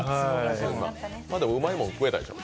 うまいもん食えたでしょ。